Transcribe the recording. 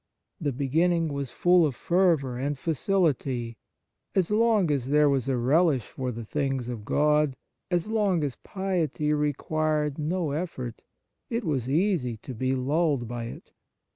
The beginning was full of fervour and facility ; as long as there was a relish for the things of God, as long as piety required no effort, it was easy to be lulled by it.